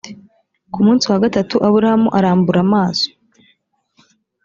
ku munsi wa gatatu aburahamu arambura amaso